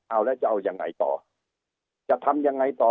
เอาแล้วจะเอายังไงต่อ